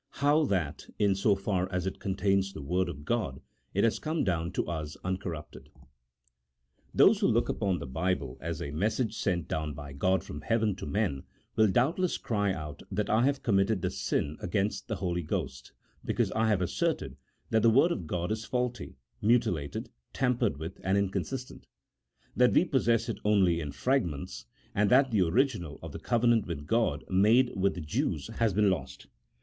HOW THAT, IN SO FAR AS IT CONTAINS THE WORD OF GOD, IT HAS COME DOWN TO US UNCORRUPTED. THOSE who look upon the Bible as a message sent down by God from Heaven to men, will doubtless cry out that I have committed the sin against the Holy G host because I have asserted that the Word of God is faulty, mutilated, tampered with, and inconsistent ; that we pos sess it only in fragments, and that the original of the covenant which God made with the Jews has been lost.